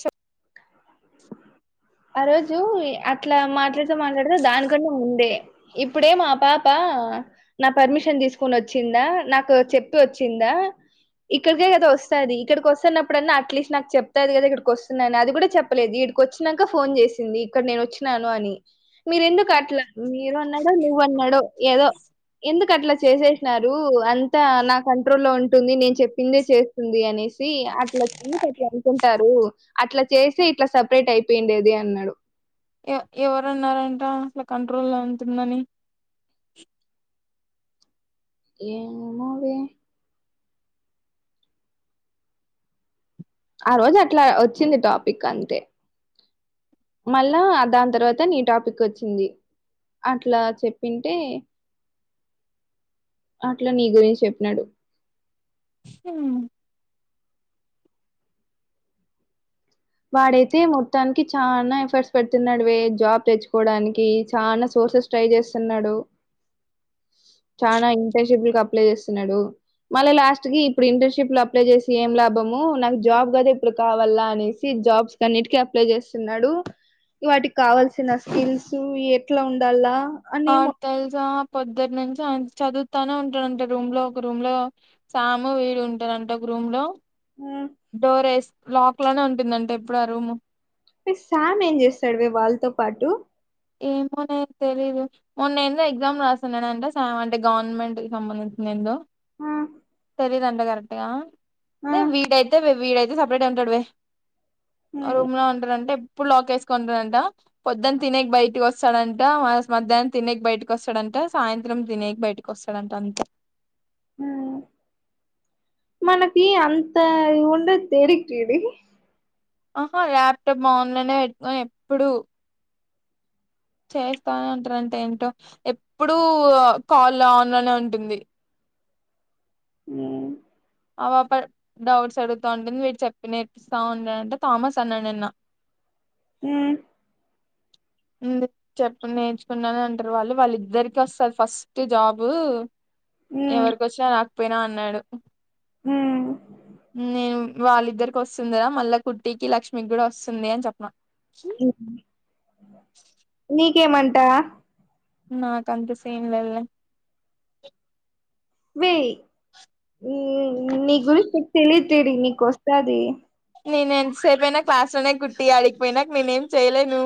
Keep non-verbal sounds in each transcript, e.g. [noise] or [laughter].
చెప్. ఆ రోజు అట్లా మాట్లాడుతూ మాట్లాడుతూ దానికన్నా వుండే ఇప్పుడేమో ఆ పాప. ఆహ్ నా పర్మిషన్ తీసుకొని వచ్చిందా నాకు చెప్పి వచ్చిందా. ఇక్కడికే కదా వస్తుంది ఇక్కడికోస్తున్నప్పుడన్నా అట్లీస్ట్ నాకు చెప్తది కదా ఇక్కడికి వస్తున్నా అని అది కూడా చెప్. చెప్పలేదు ఇడికోచ్చినాంక ఫోన్ చేసింది ఇక్కడ నేను వచ్చినాను అని. మీరేందుకు అట్లా మీరు అన్నాడో నువ్వు అన్నాడో ఏదో ఎందుకు అట్లా. చేసేసినారు అంతా నా కంట్రోల్ లో ఉంటుంది నేను చెప్పిందే చేస్తుంది అనేసి అట్లా చెప్. ఎందుకు అట్లా అనుకుంటారు అట్లా చేసే ఇట్లా సపరేట్ అయిపోయింది అది అన్నాడు. ఎవరున్నారంట అట్లా కంట్రోల్లో ఉంటుందని. ఏమో మరి. ఆ రోజు అట్లా వచ్చింది టాపిక్ అంతే. మళ్ళా దాని తర్వాత నీ టాపిక్ వచ్చింది. అట్లా చెప్పింటే. అట్లా నీ గురించి చెప్పినాడు. ఉమ్. వాడైతే మొత్తానికి చానా ఎఫర్ట్స్ పెడుతున్నాడువే జాబ్ తెచ్చుకోవడానికి చానా. కోర్సెస్ ట్రై చేస్తున్నాడు. చాలా ఇంటర్న్షిప్ కి అప్లై చేస్తున్నాడు మళ్ళీ లాస్ట్ కి ఇప్పుడు ఇంటర్న్షిప్ లు అప్లై చేసి ఏం లాభం. నాకు జాబ్ కదా ఇప్పుడు కావాలా అనేసి జాబ్స్ కన్నిటిక అప్లై చేస్తున్నాడు. వాటికి కావల్సిన స్కిల్స్ ఎట్లా ఉండాలా. అని ఆహ్ తెలుసా. పొద్దుట్నుంచి ఆ ఇం చదువుతానే ఉంటాడుంట రూమ్ లో ఒక రూమ్ లో సాము వీడు ఉంటాడంట ఒక రూ. రూమ్ లో మొత్తం డోర్స్ లాక్ లోనే ఉంటుందంటా ఎప్పుడు ఆ రూమ్. ఈ సామ్ ఏం చేస్తాడు వాళ్ళతో పాటు. ఏమోనే తెలీయదు మొన్న ఎందో ఎగ్జామ్ రాస్తున్నానంటే సామ్ అంటే గవర్నమెంట్ కి సంబంధించింది ఏందో. ఆ తెలీదంట కరెక్ట్గా ఆ అయితే వీడైతే వీడైతే సపరేట్గా ఉంటాడువే. ఉమ్ రూమ్ లో ఉంటారంటా ఎప్. ఎప్పుడు లాక్ వేసుకుంటాడంట పొద్దున్న తినేకి బయటకి వస్తాడంట మధ్యాహ్నం తినేకి బయటకి వస్తాడంట. ఇంకా సాయంత్రం తినేకి బయటకి వస్తాడంట అంతే. ఉమ్. మనకి అంత ఉండదు తేడి కేడి. ఆహ్ ల్యాప్టాప్ ఆన్ లోనే పెట్టుకోని ఎప్పుడు. చేస్తానే ఉంటారంటా ఏంటో ఎప్పుడు కాల్ ఆన్ లోనే ఉంటుంది. ఉమ్. ఆ పాపడ్ డౌట్స్ అడుగుతా ఉంటుంది వీరు చెప్పి నేర్పిస్తా ఉంటారంటా థామస్ అన్నాడు నిన్న. హ్మ్ చెప్పం నేర్చుకున్నాను అంటారు వాళ్ళు వాళ్ళ ఇద్దరికి వస్తాది ఫస్ట్ జాబు ఉమ్ ఎవరికి వచ్చినా రాకపోయినా అన్నాడు హ్మ్ నేను వాళ్ళిద్దరికి వస్తుందరా మళ్ళా కుట్టికి లక్ష్మికి కూడా వస్తుంది అని చెప్పన్నా నీకేం అంటా నాకు అంత సీన్ లేదులే వేయి నీ గురించి నీకు తెలియదు తడి నీకు వస్తాది నేను ఎంతసేపోయినా క్లాస్ లోనే కుట్టి అడిగిపోయినాక నేనే ఏం చేయలేను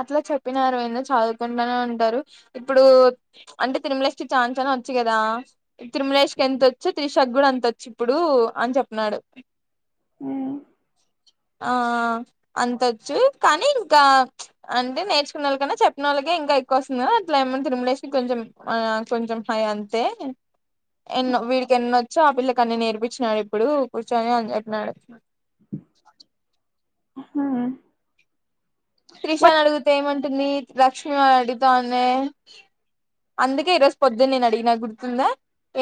అట్లా చెప్పిన అరవింద చదువుకుంటనే ఉంటారు ఇప్పుడు అంటే తిరుమలస్తే ఛాన్స్ వచ్చి కదా తిరుమలేేష్కి ఎంతొచ్చి త్రిషక్ గుడు అంత వచ్చు ఇప్పుడు అని చెప్పన్నాడు ఆ అంతొచ్చు కానీ ఇంకా అంటే నేర్చకునోళ్ళ కన్నా చేప్పిన వాళ్ళకే ఇంకా ఎక్కువ వస్తుంది అట్లా ఏమన్నా తిరుమలేష్కి కొంచెం కొంచెం అయి అంతే ఎన్నో వీడికి ఎనీ వచ్చో ఆ పిల్లలకు అన్న నేర్పించినాడు ఇప్పుడు కూర్చొని అని చెప్పినాడు ఆ హ్మ్ త్రిషని అడిగితే ఏమంటుంది లక్ష్మమి వారు అడుగుతా ఉన్న అందుకే ఈరోజు పొద్దునే నేను అడిగిన గుర్తుందా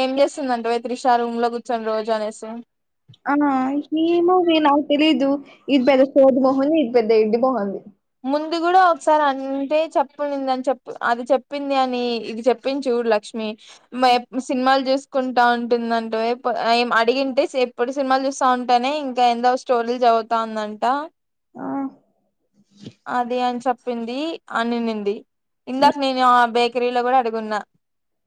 ఏం చేస్తుందంటవే త్రిష రూమ్ లో కూర్చొని రోజు అనేసి ఆ ఏమోవే నాకు తెలీదు ఇది పెద్ద సోది మొహంది ఇది పెద్ద ఎడ్ది మొహంది ముందు కూడా ఒకసారి అంటే చెప్పుంది అని చెప్పు అది చెప్పింది అని ఇది చెప్పించు లక్ష్మి మ సినిమాలు చూస్త కుంటా ఉంటుందంటే ఏం అడిగింటే ఎప్పుడు సినిమాలు చూస్తా ఉంటేనే ఇంకా ఎందో స్టోరీలు అవుతాందంట ఆ అదే అని చెప్పింది అనినింది ఉమ్ ఇందాక నేను ఆ బేకరీలో కూడా అడుగున్నా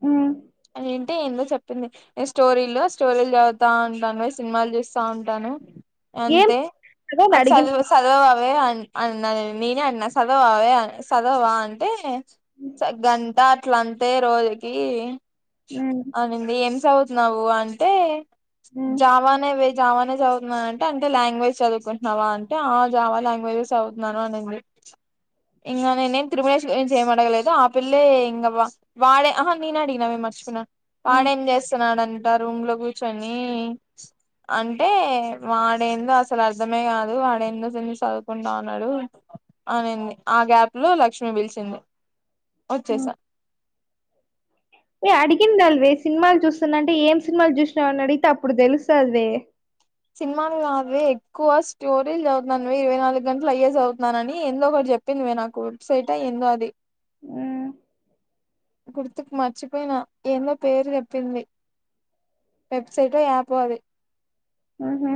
ఉమ్. అ ఏంటే ఏందో చెప్పింది నేను స్టోరీలు స్టోరీలు చదువుతా ఉంటాను సినిమాలు చూస్తా ఉంటాను ఏం అంతే కదా అని అది అడిగిన చదువు చదువవే అనీ అన్నా నేనే అన్నా చదవావే చదవా అంటే గంటా అట్ల అంతే రోజుకి ఉమ్ అనంది ఏం చదువుతున్నావు అంటే ఉమ్ జావానేవే జావానే చదువుతు అంటే అంటే లాంగ్వజ్ చదువుంటున్నావా అంటే ఆ జావా లాంగ్వేజ్ చదువు తున్నాను అనింది ఇంకా న నేను తిరుమణేశ్వరి చేయ అడగలేదు ఆ పిల్లే ఇం వాడే ఆ నేను అడిగిన మే మార్చ్ న్నా ఉమ్ వాడేం చేస్తున్నాడంట రూమ్ లో కూర్చొని అంటే వాడెందో అసలు అర్ధమే కాదు వాడెందో కూచొని చదువుకుంటా న్నాడు అనింది ఆ గ్యాప్ లో లక్ష్మి పిలిచింది ఉమ్ వచ్చేసా ఆ ఏ అడిగింది అల్వే సినిమాలు చూస్తుందంటే ఏం సినిమాలు చూసినావ అని అడిగితే అప్పుడు తెలుస్తుది మే సినిమాలు కాదు ఎక్కువ స్టోరీలు చదువుతున్నా ఇరవై నాలుగు గంటలు అయ్యే చదువుతున్నాన అని ఎందొకటి చెప్పింది మీ నాకు వెబ్సైట్ ఎందో అది మ్మ్ గుర్తుకు మర్చిపోయిన ఏందో పేరు చెప్పింది వెబ్సైట్ లో ఆయాప్ అది ఊహూ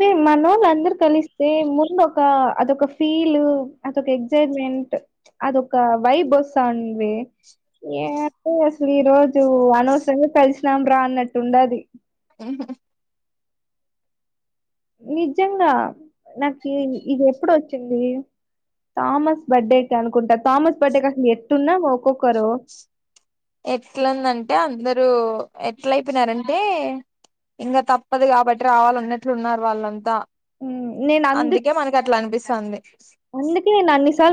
మీరు మనోళ్ళ అందరు కలిస్తే ముందు ఒక అదొక ఫీల్ అదొక ఎగ్జైట్మెంట్ అదొ ఒక వైబ సాన్వి ఏ అంటే అసలు ఈ రోజు అనవసరమే కలిసినాం రా అన్నట్టు ఉండది ఉ నిజంగా నాకు ఇది ఎప్పుడు వచ్చింది థామస్ బర్త్డేకి అనుకుంటా థామస్ బర్త్డేకి అసలు ఎట్టున్నా ఒక్కొక్కరు ఎట్లాందంటే అందరుూ ఎట్ల అయిపోయినారంటే ఇంకా తప్పదు కాబట్టి రావాల అన్నట్లు ఉన్నారు వాళ్ళంతా మ్మ్ నేను అందరు అందుకే మనకు అట్లా అనిపిస్తుంది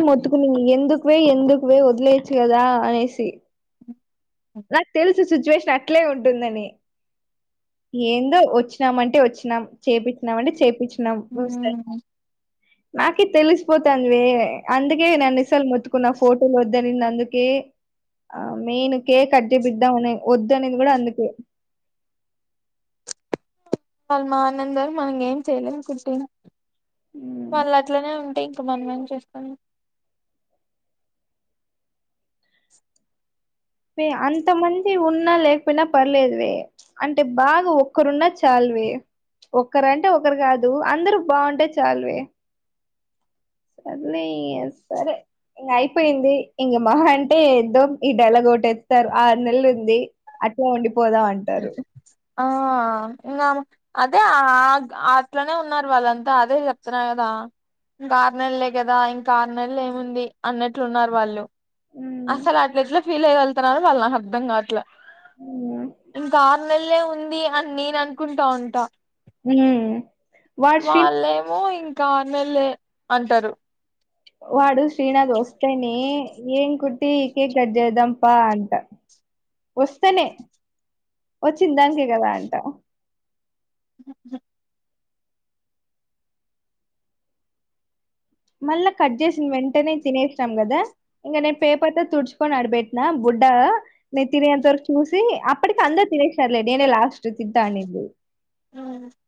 మొతుకుని ఎందుకువే ఎందుకువే వదిలేయచ్చ కదా అనేసి నాకు తెలుసు సిచ్యువేషన్ అట్లే ఉంటుందని ఏందో వచ్చినామ అంటే వచ్చినాం చేపచ్చినామ అంటే చేపచ్చిన హ నాకే తెలిసిపోతుందివి అందుకే నేను ఇసలు మొత్తుకున్న ఫోటోలు వద్దని అందుకే ఆ మెయిన్ కేే కడ్డే బిద్దా ఉన్నా వద్దు అనేది కూడా అందుకే వాళ్ళు మా అన్నంద గారు మనం ఏం చేయలేం కుట్టి మ్. వాళ్ళు అట్లనే ఉంటే ఇ మనమేం చేస్తాను వ అంతమంది ఉన్నా లేకపోయినా పర్లేదు వే అంటే బాగా ఒక్కరున్నా చాలు వే ఒకరు అంటే ఒకరు కాదు అందరుూ బాగుంటే చాలువే సర న సరే ఇ అయిపోయింది ఇక మహ అంటే ఎద్ో ఈ డెలగోటేస్తారు ఆరు నెలలు ఉంది అట్లా ఉండిపో పోదాం అంటారు ఆ ఇంకా అదే అట్లనే ఉన్నారు వాళ్ళంతా అదే చెప్తున్నారు కదా ఇంకా ఆరునెలలే కదా ఇంకా ఆరు నెలలు ఏముంది అన్నట్లున్నారు వాళ్ళు అసలు అట్లా ఎట్లా ఫీల్ అయగళ్తున్నారు వాళ్ళు నాకు అర్ధంగా అట్లా ఇంకా మల్లే ఉంది అని నేను అనుకుంటా ఉంటా మ్మ్ వాడు శ్రీ వాళ్ళేమో ఇంకా అన్నల్ే అంటారు వాడు శ్రీనాథ్ వస్తస్తేని ఏంగ్ కుటికేక్ అడ్జ అదంపా అంత వస్తేనే వచ్చిందాకే కదా అంటా మళ్ళా కట్ చేసిిన వెంటనే తినేసినాం కదా ఇంక నేను పేపర్తో తుడుచుకొని అడిపెట్టిను నేను తినేంత వరకు చూసి అప్పటికి అందరుూ తినేసారులే నేనే లాస్ట్ తిద్దాను నది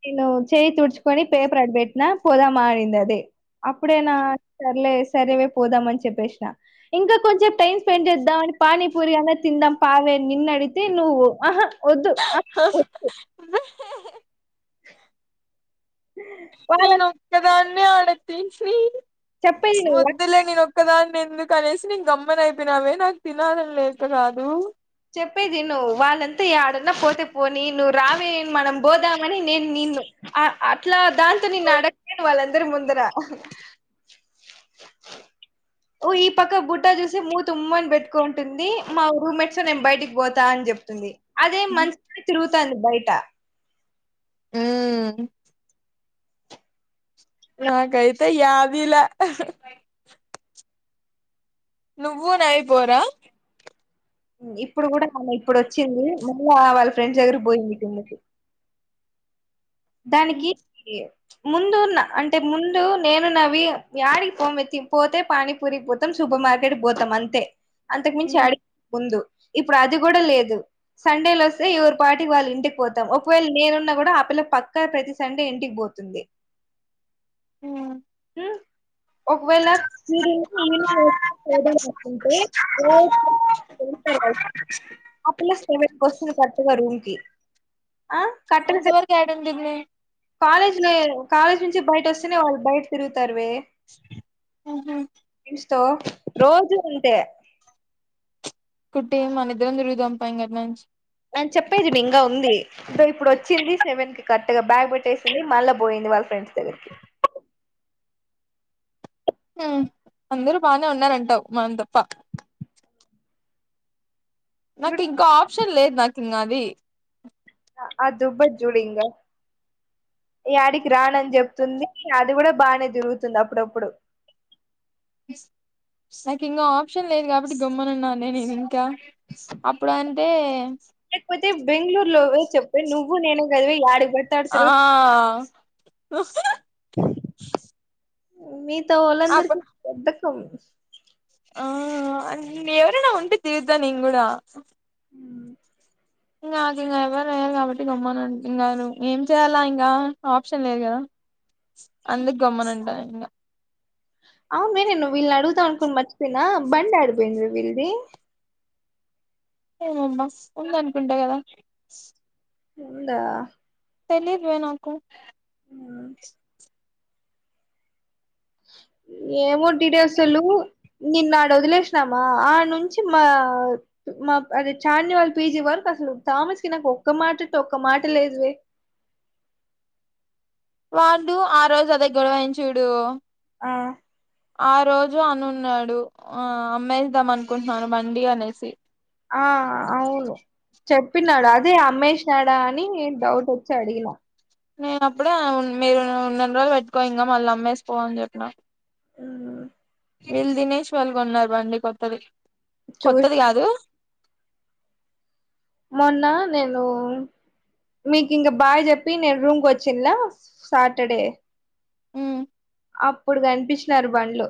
నేను చేయిి తుడుచుకొని పేపర్ అడి పెట్టినా పొదా మడింది అది అప్పుడేనా సర్లే సరేవే పోదాం అని చెప్పేసిన ఇంకా కొంచెం టైం స్పెండ్ చేద్దాంని పానీపూరి అలా తిందాం పావే నిన్నడితే నువ్ ఆహా వద్దు ఆ వద్దు వాళ్ళ నీనొక్కదాన్నే ఆడ తీసి చెప్పేది నువ్వు వద్దులే నేనొక్కదాన్ని ఎందుకునేసి నేను గమ్మన అయిపోయినావే నాకు తినాలని లేక కాదు చెప్పేది నువవు వాళ్ళంతా ఈ ఆడన్నా పోతే పోని నువ్వు రావే మనం పోదామని నేను నిన్ను అట్లా దాంతో నేను అడగలేను వాళ్ళందరి ముందుర ఓ ఈ పక్క బుట్టా చూసి మూ తమ్మని పెట్టుకుంటుంది మా రూమ్మేట్స్ నేను బయటికి పోతా అని చెప్పా తుంది అదే ఉమ్ మంచిగానే తిరుగుతంది బయట ఊ నా కైతే యాదిలా నువ్వు నాయి పోరా ఉ ఇప్పుడు కూడా కాలే ఇప్పుడు వచ్చింది మళ్ళా వాళ్ళ ఫ్రెండ్స్ దగ్గర బొయింది కిందికి దానికి ఈ ముందున్న అంటే ముందు నేను నవి యాడికి బోమే తిన్ పోతే పానీపూరి పోతాం సు సూపర్ మార్కెట్ పోతాం అంతే అంతకు మించి అడి ముందు ఇప్పుడు అది కూడా లేదు సండే లోస్తే ఎవరి పాటికి వాళ్ళు ఇంటికి పోతాం ఒకవేళ నేనున్నా కూడా ఆ పిల్ల పక్ కా ప్రతి సండే ఇంటికి పోతుంది ఆ ఉమ్, ఒకవేళ ఈడి ఈవినింగ్ [unintelligible] [unintelligible] ఆ పిల్ల సెవెన్ కొస్తుంది కరక్ట్ గా రూమ్ కి ఆ కరెక్ట్ గా అంతవరకు ఏడుందిమ్మి. కాలేజ్ లో ఏ కాలేజ్ నుంచి బయట వస్తేనే వాళ్ళు బయట తిరుగుతారువే. ఫ్రెండ్స్ తో రోజు అంతే కుట్టి మన ఇద్దరం తిరుగుదాం ప ఇంగటినుంచి. నేను చెప్పేది మీంకా ఉంది సో ఇప్పుడు వచ్చింది సెవెన్ కి కరెక్ట్ గా బ్యాగ్ పెట్టేసింది మళ్ళా పోయింది. ది వాళ్ళ ఫ్రెండ్స్ దగ్గరికి [inaudible] అందరూ బానే ఉన్నారంటావు మనం తప్ప. నాకు చూడు ఇంకో ఆప్షన్ లేదు నాకు ఇంకా అది. అ దుబ్బది చూడు ఇంగ యాడికి రానని చెప్తుంది. అది కూడా బానే తిరుగుతుంది అప్పుడప్పుడు. ఇస్ నాకు ఇంకా ఆప్షన్ లేదు కాబట్టి గమ్మనున్నానే నేను ఇంకా అప్పుడు అంటే. తె బెంగళూరు లో చెప్పె నువ్వు నేను గదివి యాడికి పడితే ఆడికి ఆ తిరుగు అప్పు మీతోవోలందరికి బద్దకం. ఆ ఎవరైనా ఉంటే తిగుతా నేను కూడా. మ్, నాకు ఇంకా ఎవ్వరు లేరు కాబట్టి గమ్మనింగారు ఏం చేయ్యాలా ఇంకా ఆప్షన్ లేదు కదా. అందుక్ గమ్మునుంట ఇంగ అవును నేనె వీళ్ళ అడుగుతావనుకుని మర్చిపోయినా బండి ఎడిపోయిందే వీళ్ది. ఏమ్మా ఉందనుకుంటా కదా ఉందా. తెలిదువే నాకు. మ్, [inaudible] ఏమో డీటెల్సు తెలివు నిన్ను అడ వదిలేసినామా ఆ నుంచి మా మా అదే చార్ని వాళ్ళ పీజీ వరకు అసలు థామస్ కి నాకు ఒక్క మాటట్ ఒక్క మాట లేదువే. [inaudible] వాళ్లు ఆ రోజు అదే గొడవ ఐంది చూడూ. ఆ ఆ రోజు అనున్నాడు ఆ అమ్మేద్దాం అనుకుంటున్నాను బండి అనేసి. ఆ అవును. చెప్పినాడ అదే అమ్మేసినాడా అని డౌట్ వచ్చి అడిగిన నేను అప్పుడే అవున్ మీరు ఉన్నన్ని రోజులు పెట్టుకో ఇంగ మళ్ళ అమ్మేసిపో అని చెప్పిన ఉం వీళ్ళు దినేష్ వాల్లు కోన్నారు బండి కొత్తది చూసి కొత్తది కాదు. మొన్న నేను మీకు ఇంక బాయ్ చెప్పి నేను రూమ్కి వచ్చిన్ల సాటర్డే. ఉమ్ అప్పుడు కనిపించినారు బండ్లు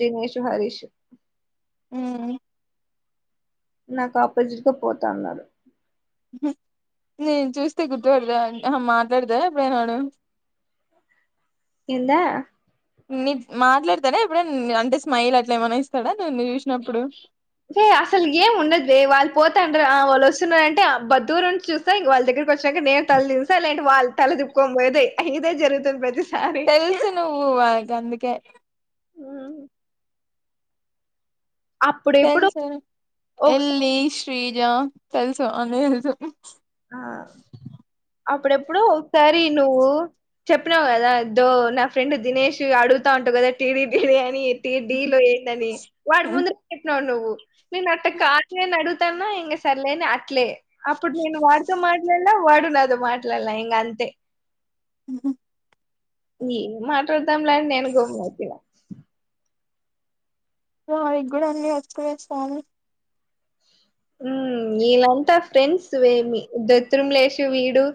దినేష్, హరీష్. ఉం నాకు ఆపోజిట్గా పోతా అన్నాడు. నేను చూస్తే గుర్తుపడుదా అంట మాట్లాడదా ఎప్పుడైనా వాడు. ఎందా. నీ మాట్లాడతాడా ఎప్పుడ అంటే స్మైల్ అట్లా ఏమన్నా ఇస్తాడా నన్ను చూసినప్పుడు. ఎ అసలు ఏం ఉండదు వాళ్ళు పోతంటారు వాళ్ళు వస్తున్నారంటే అబ్బ దూరం నుండి చూస్తా వాళ్ళ వచ్చాక నేను తలదిసా అలాంటి వాళ్ళు తల తిప్పుకోనీ పోయేదే ఇదే జరుగుతుంది ప్రతి. తెలుసు నువ్వు అగ అందుకే. అప్పుడెప్పుడు తెల్సు ఎల్లి శ్రీజ తెల్సు అన్ని తెలుసు. ఒకసా అప్పుడెప్పుడు ఒకసారి నువ్వు. చెప్పినావు కదా దో నా ఫ్రెండ్ దినేష్ అడుగుతా ఉంటావు కదా టీవి టీడి అని. డీలో ఏందని వాడు ముందు చెప్పినన్నాడు నువ్వు. నేను అట్ట కాదు నేని అడుగుతానా ఇంక సర్లేని అట్లే అప్పుడు నేను వాదు మాట్లలా వాడునదు మాట్లడలా హింగ అంతే ఉహు ఏం మాట్లాడతాంలా అని నేను గమ్ము అవుతనా ఆవి కూడా అండి వచ్చకు వేస్తా ఉ వీలాంతా ఫ్రెండ్స్ వేమి ద త్రిమ్లేష్ వీడు